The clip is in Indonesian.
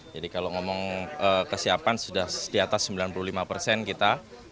jadi kalau ngomong kesiapan sudah di atas sembilan puluh lima persen kita